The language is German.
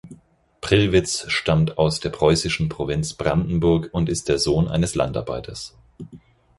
Prillwitz stammt aus der preußischen Provinz Brandenburg und ist der Sohn eines Landarbeiters.